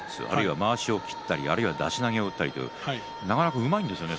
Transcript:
まわしを切ったり出し投げを打ったりなかなかうまいんですよね。